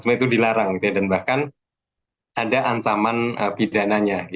semua itu dilarang dan bahkan ada ancaman pidananya